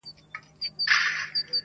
• شاوخوا پر طبیبانو ګرځېدله -